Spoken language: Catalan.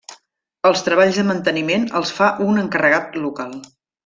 Els treballs de manteniment els fa un encarregat local.